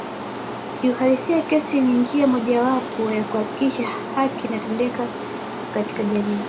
Kiuhalisia kesi ni njia mojawapo ya kuhakikisha haki inatendeka katika jamii